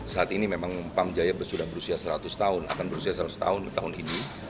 saat ini memang pamjaya sudah berusia seratus tahun akan berusia seratus tahun tahun ini